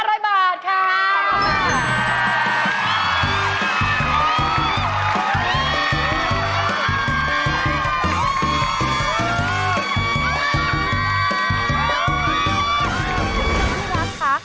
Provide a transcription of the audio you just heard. ขอบคุณที่รักค่ะ